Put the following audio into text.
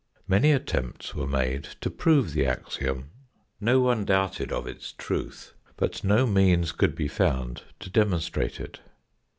Many attempts were made to prove the axiom ; no one doubted of its truth, but no means could be found to demonstrate it.